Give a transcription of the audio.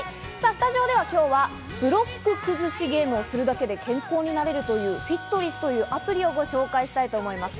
スタジオでは今日はブロック崩しゲームをするだけで健康になれるというＦＩＴＲＩＳというアプリをご紹介したいと思います。